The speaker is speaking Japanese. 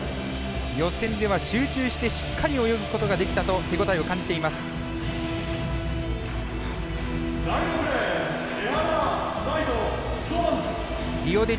予選では集中してしっかり泳ぐことができたと手応えを感じています、吉田。